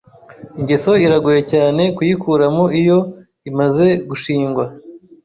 Ingeso iragoye cyane kuyikuramo iyo imaze gushingwa.